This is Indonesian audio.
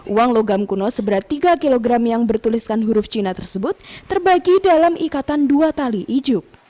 uang logam kuno seberat tiga kg yang bertuliskan huruf cina tersebut terbagi dalam ikatan dua tali ijuk